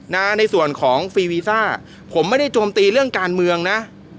ในส่วนของฟีวีซ่าผมไม่ได้โจมตีเรื่องการเมืองนะ